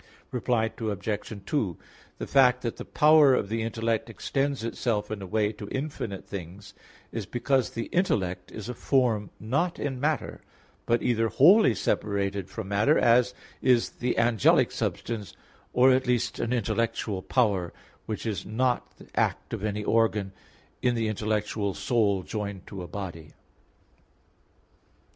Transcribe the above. Reply Obj. 2: The fact that the power of the intellect extends itself in a way to infinite things, is because the intellect is a form not in matter, but either wholly separated from matter, as is the angelic substance, or at least an intellectual power, which is not the act of any organ, in the intellectual soul joined to a body.